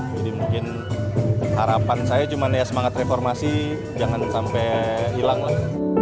jadi mungkin harapan saya cuma semangat reformasi jangan sampai hilang lah